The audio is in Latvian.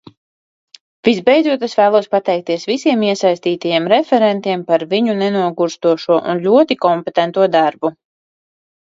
Visbeidzot es vēlos pateikties visiem iesaistītajiem referentiem par viņu nenogurstošo un ļoti kompetento darbu.